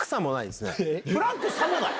フランクさもない？